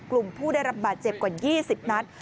ผู้ได้รับบาดเจ็บกว่า๒๐นัด